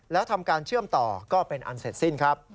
แล้วทำการเชื่อมต่อก็เป็นอันเสร็จสิ้นครับ